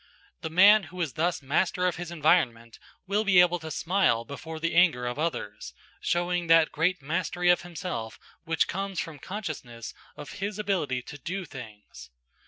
The man who is thus master of his environment will be able to smile before the anger of others, showing that great mastery of himself which comes from consciousness of his ability to do things.